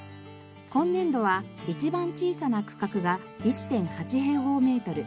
今年度は一番小さな区画が１．８平方メートル。